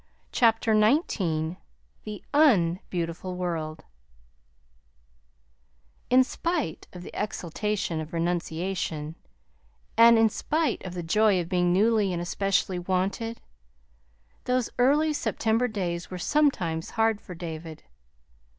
CHAPTER XIX THE UNBEAUTIFUL WORLD In spite of the exaltation of renunciation, and in spite of the joy of being newly and especially "wanted," those early September days were sometimes hard for David.